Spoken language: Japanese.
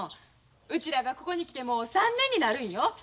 うちらがここに来てもう３年になるんよ。